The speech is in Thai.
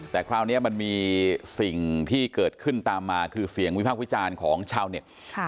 แต่คราวนี้มันมีสิ่งที่เกิดขึ้นตามมาคือเสียงวิพากษ์วิจารณ์ของชาวเน็ต